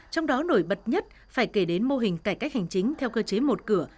trong đó nổi bật nhất phải kể đến mô hình cải cách hành chính theo cơ chế một cửa